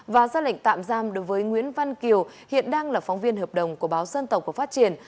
và ra lệnh tạm giam đối với nguyễn văn kiều hiện đang là phóng viên hợp đồng của báo dân tộc và phát triển